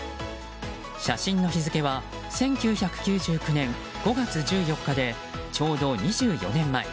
写真の日付は１９９９年５月１４日で、ちょうど２４年前。